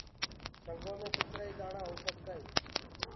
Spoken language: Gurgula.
سنگو مي ڪيترآ ئي دآڻآ هو سگدآئين